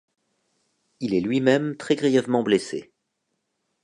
Il est lui-même très grièvement blessé.